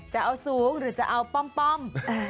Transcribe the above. จะเอาสูงหรือจะเอาป้อม